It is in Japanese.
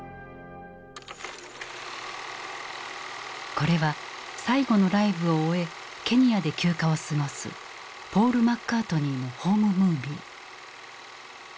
これは最後のライブを終えケニアで休暇を過ごすポール・マッカートニーのホームムービー。